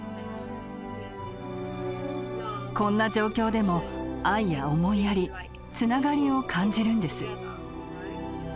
こんな状況でも愛や思いやりつながりを感じるんです。